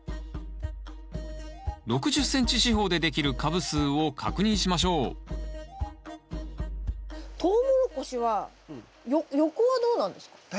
６０ｃｍ四方でできる株数を確認しましょうトウモロコシは横はどうなんですか？